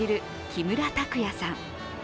木村拓哉さん。